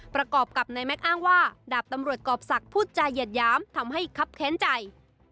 ประกอบกับนายแม็กซ์อ้างว่าดาบตำรวจกรอบศักดิ์พูดจาเหยียดหยามทำให้คับแค้นใจ